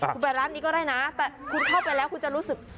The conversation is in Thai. คุณไปร้านนี้ก็ได้นะแต่คุณเข้าไปแล้วคุณจะรู้สึก